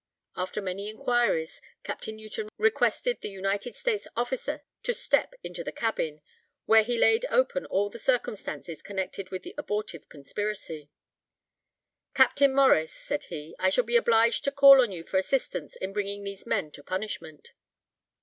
After many inquiries, Capt. Newton requested the United States officer to step into the cabin, where he laid open all the circumstances connected with the abortive conspiracy. "Capt. Morris," said he, "I shall be obliged to call on you for assistance in bringing these men to punishment."